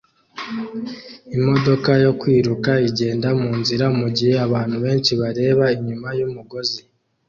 Imodoka yo kwiruka igenda munzira mugihe abantu benshi bareba inyuma yumugozi